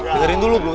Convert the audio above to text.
dengarin dulu gue